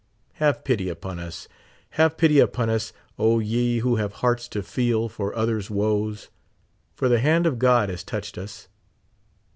Have pity upon us, have pity upon us, O ye who have hearts to feel for others woes ; for the hand of God has touched us.